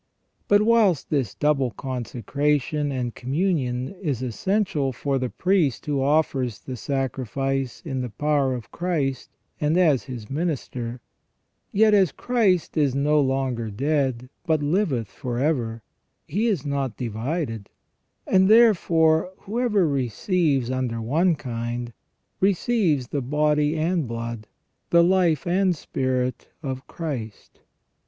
But whilst this double consecration and communion is essential for the priest who offers the sacrifice in the power of Christ and as His minister, yet as Christ is no longer dead but liveth for ever, He is not divided, and therefore whoever receives under one kind, receives the body and blood, the life and spirit, of Christ.